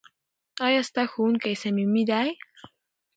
ایا ستا ښوونکی صمیمي دی؟